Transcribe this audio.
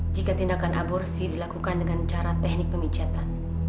jika tindakan aborsi dilakukan dengan cara teknik pemijatan